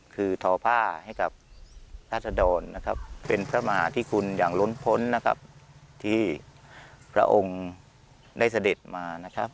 คือทอพ่าให้กับราษดรเป็นพระมหาธิคุณอย่างล้นพลทที่ระองศ์ได้เสด็จมา